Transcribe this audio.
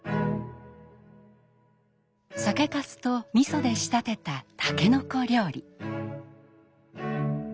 酒かすとみそで仕立てたたけのこ料理。